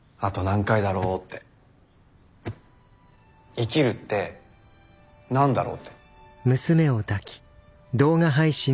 生きるって何だろう？って。